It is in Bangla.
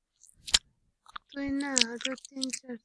তুই না আরও তিন-চার থাকবি?